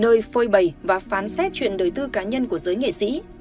nơi phơi bày và phán xét chuyện đời tư cá nhân của giới nghệ sĩ